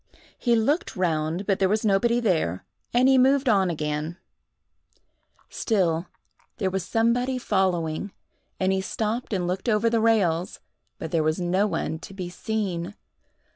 He looked round, but there was nobody there, and he moved on again; still there was somebody following, and he stopped and looked over the rails; but there was no one to be seen.